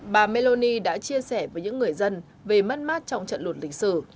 bà meloni đã chia sẻ với những người dân về mất mát trong trận lụt lịch sử